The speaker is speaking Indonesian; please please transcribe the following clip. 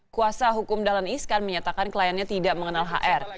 kuasa hukum dahlan iskan menyatakan kliennya tidak mengenal hr